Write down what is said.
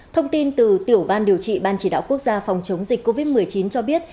thông tin từ tiểu ban điều trị ban chỉ đạo quốc gia phòng chống dịch covid một mươi chín cho biết